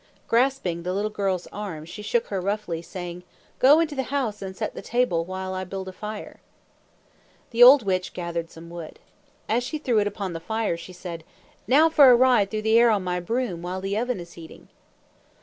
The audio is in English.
Grasping the little girl's arm, she shook her roughly, saying, "Go into the house and set the table while I build a fire." The old witch gathered some wood. As she threw it upon the fire, she said, "Now for a ride through the air on my broom, while the oven is heating!"